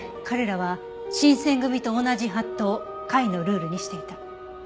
彼らは新選組と同じ法度を会のルールにしていた。